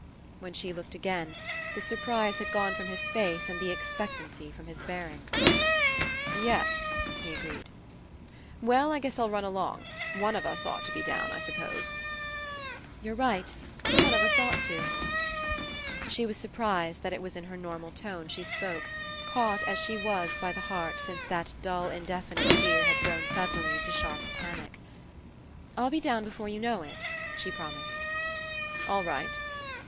When she looked again, the surprise had gone from his face and the expectancy from, his bearing. "Yes," he agreed. "Well, I guess Til run along. One of us ought to be down, I s'pose." "You're right. One of us ought to." She was surprised that it was in her normal tones she spoke, caught as she was by the heart since that dull indefinite fear had grown sud denly into sharp panic. "I'll be down before you know it," she promised. "All right."